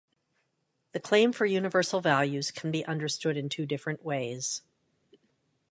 The claim for universal values can be understood in two different ways.